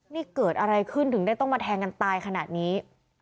นี่เกิดอะไรขึ้นถึงได้ต้องมาแทงกันตายขนาดนี้